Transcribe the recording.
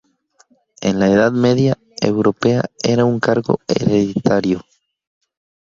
En la Edad Media europea era un cargo hereditario.